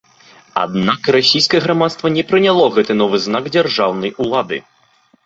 Аднак расійскае грамадства не прыняло гэты новы знак дзяржаўнай улады.